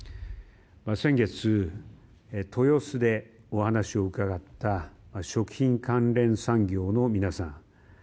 先月、豊洲でお話を伺った食品関連産業の皆さん。